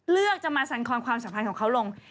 เลือกจะมาสันคลความสังหารของเขาลง